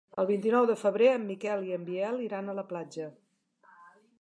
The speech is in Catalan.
El vint-i-nou de febrer en Miquel i en Biel iran a la platja.